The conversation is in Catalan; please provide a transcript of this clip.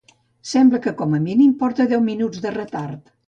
Sembla que com a mínim porta deu minuts de retard